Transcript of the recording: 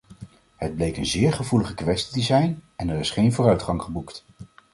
Het bleek een zeer gevoelige kwestie te zijn en er is geen vooruitgang geboekt.